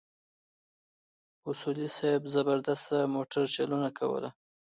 اصولي صیب زبردسته موټرچلونه کوله.